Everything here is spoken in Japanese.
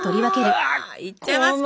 うわこの音よ！いっちゃいますか？